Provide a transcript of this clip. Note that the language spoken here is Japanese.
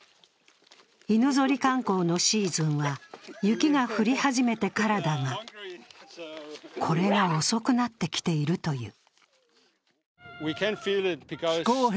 犬ぞり観光のシーズンは雪が降り始めてからだが、これが遅くなってきているという。